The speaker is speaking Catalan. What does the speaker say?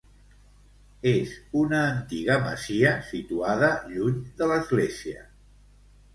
És una antiga masia situada lluny de l'església.